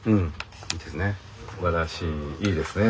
いいですね。